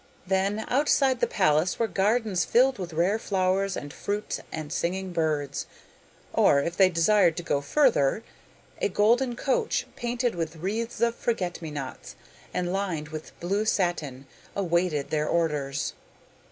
Then outside the palace were gardens filled with rare flowers and fruits and singing birds, or if they desired to go further, a golden coach, painted with wreaths of forget me nots and lined with blue satin, awaited their orders.